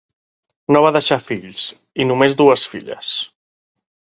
No va deixar fills, i només dues filles.